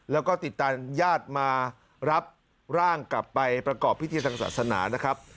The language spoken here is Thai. แล้วก็ติดตามญาติมารับร่างกลับไปประกอบพิธีทางศาสนานะครับ